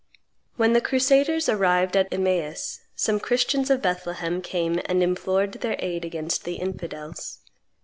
When the crusaders arrived a Emmaus, some Christians of Bethlehem came and implore their aid against the infidels.